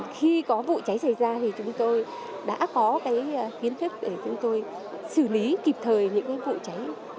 khi có vụ cháy xảy ra thì chúng tôi đã có kiến thức để chúng tôi xử lý kịp thời những vụ cháy